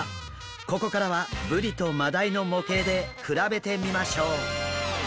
ここからはブリとマダイの模型で比べてみましょう。